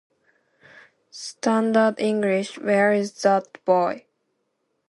Standard English: Where is that boy?